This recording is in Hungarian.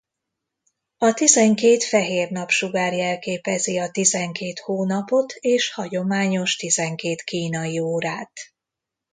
A tizenkét fehér napsugár jelképezi a tizenkét hónapot és hagyományos tizenkét kínai órát.